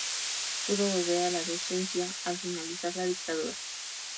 Pudo volver a la docencia al finalizar la dictadura.